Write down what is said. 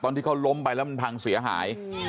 ที่เขาล้มไปแล้วมันพังเสียหาย